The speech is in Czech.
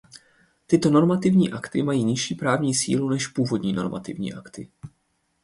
Tyto normativní akty mají nižší právní sílu než původní normativní akty.